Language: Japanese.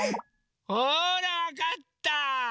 ほらわかった！